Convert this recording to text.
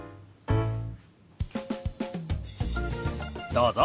どうぞ。